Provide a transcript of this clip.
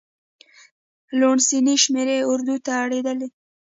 لوڼسې شمېرې اردو ته اړېدلي.